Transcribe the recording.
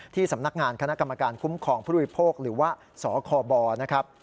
สำนักงานคณะกรรมการคุ้มครองผู้บริโภคหรือว่าสคบนะครับ